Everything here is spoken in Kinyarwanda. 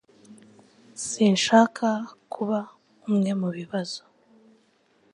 Sinshaka kuba umwe mubibazo